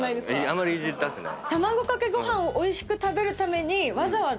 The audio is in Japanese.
あんまりいじりたくない。